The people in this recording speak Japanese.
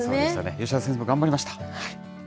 吉田先生も頑張りました。